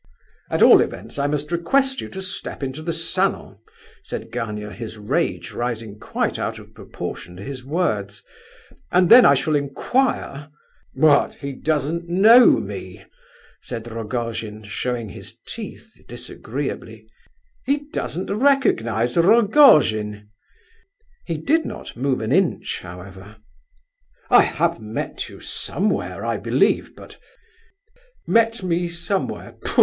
"At all events, I must request you to step into the salon," said Gania, his rage rising quite out of proportion to his words, "and then I shall inquire—" "What, he doesn't know me!" said Rogojin, showing his teeth disagreeably. "He doesn't recognize Rogojin!" He did not move an inch, however. "I have met you somewhere, I believe, but—" "Met me somewhere, pfu!